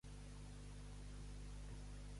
Garlaire parlava gaire alt?